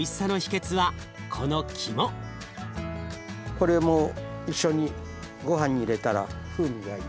これも一緒にごはんに入れたら風味がいい。